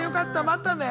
またね。